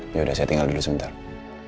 ya udah saya tinggal dulu sementara